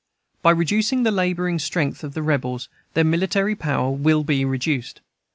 By reducing the laboring strength of the rebels, their military power will be reduced.